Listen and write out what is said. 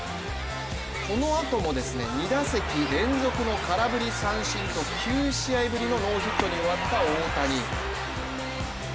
このあとも２打席連続の空振り三振と９試合ぶりのノーヒットに終わった大谷。